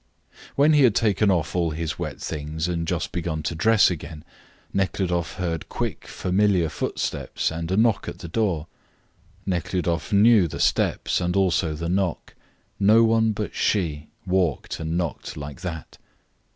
When he had taken off all his wet things and just begun to dress again, Nekhludoff heard quick, familiar footsteps and a knock at the door. Nekhludoff knew the steps and also the knock. No one but she walked and knocked like that.